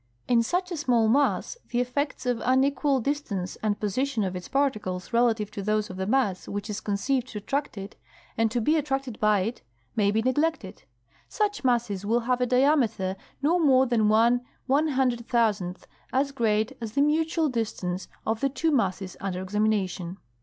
In such a small mass the effects of unequal dis tance and position of its particles relative to those of the mass which is conceived to attract it, and to be attracted by it, may be neglected. Such masses will have a diameter no more than one one hundred thousandth as great as the mutual distance of the two masses under examination.